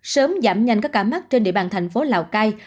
sớm giảm nhanh các cả mắt trên địa bàn thành phố lào cai